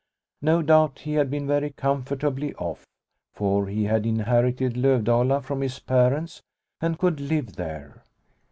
No doubt he had been very comfortably off, for he had inherited Lovdala from his parents and could live there.